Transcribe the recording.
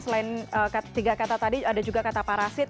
selain tiga kata tadi ada juga kata parasit